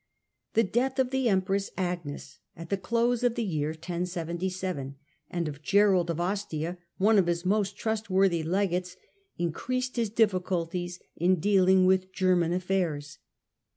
The death of the empress Agnes at the close of the year 1077 and of Gerald of Ostia, one of his most trustworthy legates, increased his difficul ties in dealing with German afiairs.